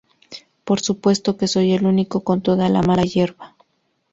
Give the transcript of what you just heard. Por supuesto que soy el único con toda la mala hierba.